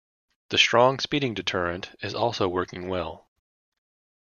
The strong speeding deterrent is also working well.